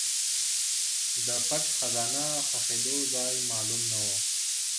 د پټ خزانه ښخېدو ځای معلوم نه و.